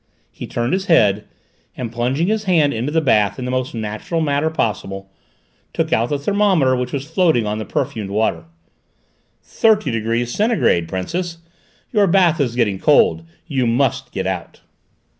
He turned his head, and plunging his hand into the bath in the most natural manner possible, took out the thermometer which was floating on the perfumed water. "Thirty degrees, centigrade, Princess! Your bath is getting cold: you must get out!"